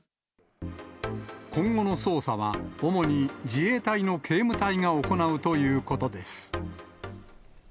今後の捜査は、主に自衛隊の警務隊が行うということです。